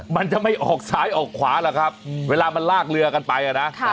มันจะไม่ออกซ้ายออกขวาหรอกครับเวลามันลากเรือกันไปนะ